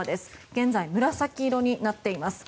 現在、紫色になっています。